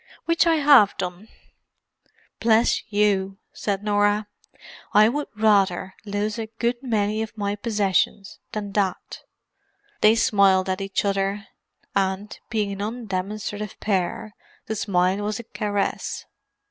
Which I have done." "Bless you," said Norah. "I would rather lose a good many of my possessions than that." They smiled at each other; and, being an undemonstrative pair, the smile was a caress.